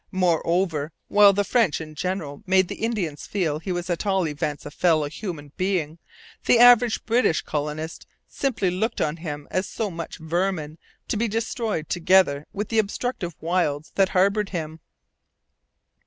Moreover, while the French in general made the Indian feel he was at all events a fellow human being, the average British colonist simply looked on him as so much vermin, to be destroyed together with the obstructive wilds that harboured him.